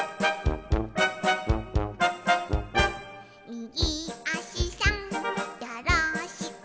「みぎあしさんよろしくね」